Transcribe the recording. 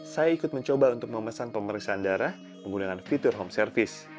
saya ikut mencoba untuk memesan pemeriksaan darah menggunakan fitur home service